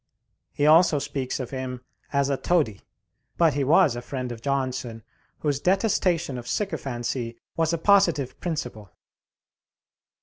He also speaks of him as a toady; but he was a friend of Johnson, whose detestation of sycophancy was a positive principle.